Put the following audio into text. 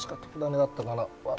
だったかな。